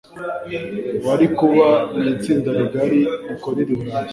wari kuba mu itsinda rigari rikorera i Burayi,